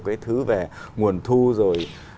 cái thứ về nguồn thu rồi